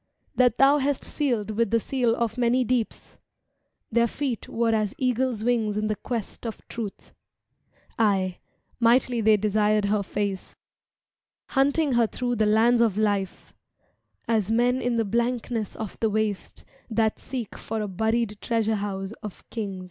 That thou hast sealed with the seal of many deeps; Their feet were as eagles' wings in the quest of Truth Aye, mightily they desired her face. Hunting her through the lands of life. As men in the blankness of the waste That seek for a buried treasure house of kings. 1162 "^^J V ' oo .